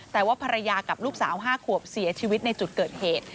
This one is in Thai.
แต่ว่าภรรยากับลูกสาว๕ขวบเสียชีวิตในจุดเกิดเหตุ